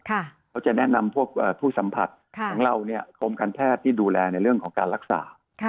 เขาจะแนะนำพวกผู้สัมผัสของเราเนี่ยกรมการแพทย์ที่ดูแลในเรื่องของการรักษา